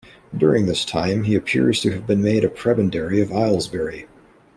During this time he appears to have been made a Prebendary of Aylesbury.